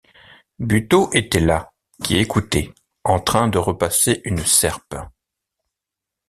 Buteau était là, qui écoutait, en train de repasser une serpe.